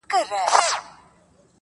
خوله ئې د سوى، شخوند ئې د اوښ.